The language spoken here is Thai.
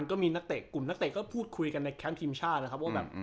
กลุ่มนักเตะก็พูดคุยกันในแคมป์ทีมชาคนะครับว่า